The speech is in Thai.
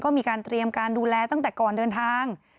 ก็มีการเตรียมการดูแลตั้งแต่ก่อนเดินทาง